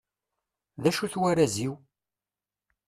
D acu-t warraz-iw?